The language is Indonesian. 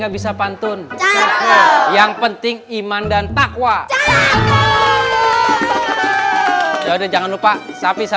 biar dimandiin kalian ikut bantuin